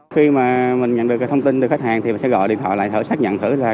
khi mà mình nhận được cái thông tin từ khách hàng thì mình sẽ gọi điện thoại lại thử xác nhận thử ra